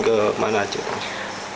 tiga jurnal internasional yang berpengaruh